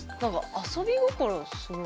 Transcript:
遊び心がすごい。